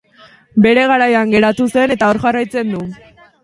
Bere garaian geratu zen eta hor jarraitzen du.